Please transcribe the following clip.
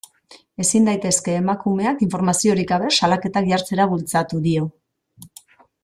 Ezin daitezke emakumeak informaziorik gabe salaketak jartzera bultzatu, dio.